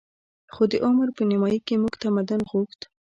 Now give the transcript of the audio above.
خو د عمر په نیمايي کې موږ تمدن غوښت